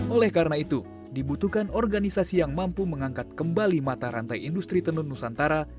oleh karena itu dibutuhkan organisasi yang mampu mengangkat kembali mata rantai industri tenun nusantara